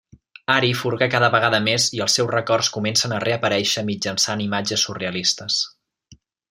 Ari furga cada vegada més i els seus records comencen a reaparèixer mitjançant imatges surrealistes.